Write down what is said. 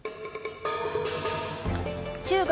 中国